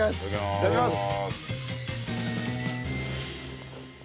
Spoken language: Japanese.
いただきます。